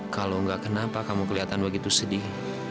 kalau enggak kenapa kamu kelihatan begitu sedih